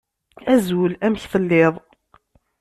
Azul! Amek telliḍ?